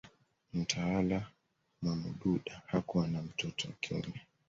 Mtawala Mwamududa hakuwa na mtoto wa kiume